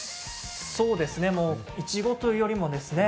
そうですね、いちごというよりもですね。